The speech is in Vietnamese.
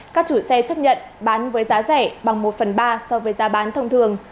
các chủ xe chấp nhận bán với giá rẻ bằng một phần ba so với giá bán thông thường